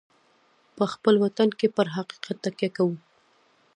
په خپل وطن کې پر حقیقت تکیه کوو.